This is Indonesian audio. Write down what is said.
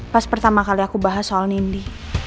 pas pertama kali aku bahas soal nindi